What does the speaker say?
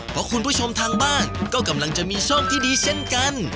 เพราะคุณผู้ชมทางบ้านก็กำลังจะมีซอกที่ดีเช่นกัน